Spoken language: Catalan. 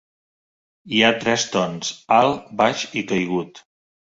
Hi ha tres tons, alt, baix i caigut.